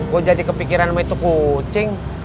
gue jadi kepikiran sama itu kucing